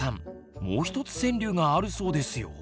もう一つ川柳があるそうですよ。